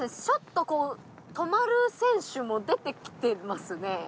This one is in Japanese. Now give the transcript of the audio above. ちょっとこう止まる選手も出てきてますね。